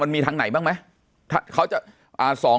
มันมีทางไหนบ้างไหม